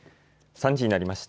３時になりました。